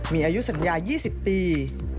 มีอายุสัญญา๒๐ปี